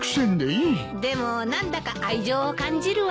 でも何だか愛情を感じるわ。